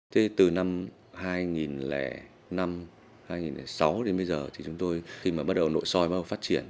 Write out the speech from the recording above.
thế từ năm hai nghìn năm hai nghìn sáu đến bây giờ thì chúng tôi khi mà bắt đầu nội soi phát triển